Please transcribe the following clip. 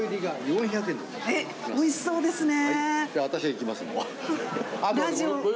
えっおいしそうですね。